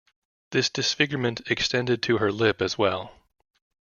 The disfigurement extended to her lip as well.